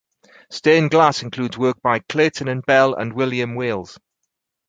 Stained glass includes work by Clayton and Bell and William Wailes.